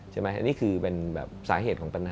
ใช่ไหมอันนี้คือเป็นแบบสาเหตุของปัญหา